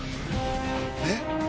えっ！